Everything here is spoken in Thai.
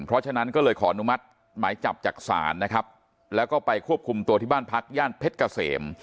เพราะฉะนั้นก็เลยขออนุมัติหมายจับจากศาลนะครับแล้วก็ไปควบคุมตัวที่บ้านพักย่านเพชรเกษม